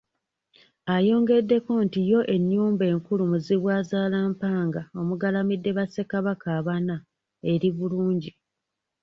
Ayongeddeko nti yo ennyumba enkulu Muzibwazaalampanga omugalamidde ba Ssekabaka abana eri bulungi.